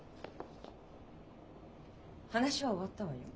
話は終わったわよ。